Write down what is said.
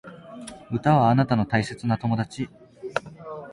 歌はあなたの大切な友達